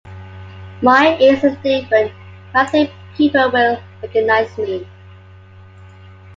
My ear is different but I think people will recognize me.